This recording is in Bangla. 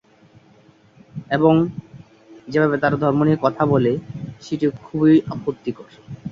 এবং যেভাবে তাঁরা ধর্ম নিয়ে কথা বলে সেটিও খুবই আপত্তিকর।